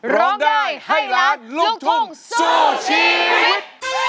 ร้องได้ให้ล้านลูกทุ่งสู้ชีวิต